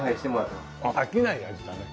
飽きない味だね。